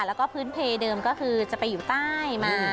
แล้วก็พื้นเพเดิมก็คือจะไปอยู่ใต้มา